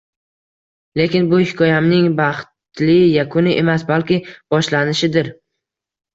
Lekin bu hikoyamning baxtli yakuni emas, balki boshlanishidir